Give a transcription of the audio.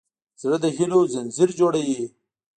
زړه د هيلو ځنځیر جوړوي.